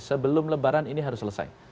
sebelum lebaran ini harus selesai